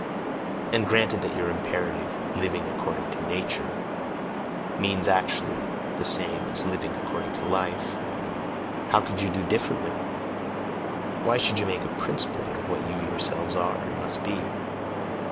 And granted that your imperative, "living according to Nature," means actually the same as "living according to life" how could you do DIFFERENTLY? Why should you make a principle out of what you yourselves are, and must be?